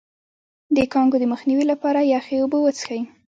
د کانګو د مخنیوي لپاره یخې اوبه وڅښئ